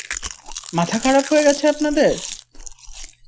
মাথা খারাপ হয়ে গেছে আপনাদের?